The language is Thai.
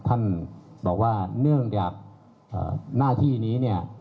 ท่านบอกว่าเนื่องจากหน้าที่นี้เนี่ย